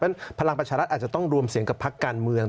เพราะฉะนั้นพลังประชารัฐอาจจะต้องรวมเสียงกับพลักษณ์การเมือง